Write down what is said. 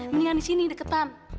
mendingan di sini deketan